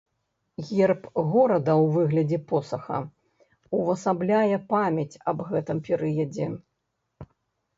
Герб горада ў выглядзе посаха ўвасабляе памяць аб гэтым перыядзе.